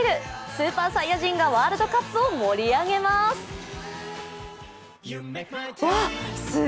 スーパーサイヤ人がワールドカップを盛り上げます。